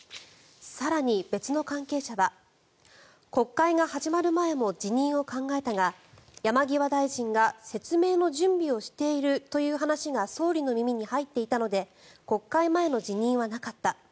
更に別の関係者は国会が始まる前も辞任を考えたが、山際大臣が説明の準備をしているという話が総理の耳に入っていたので国会前の辞任はなかった。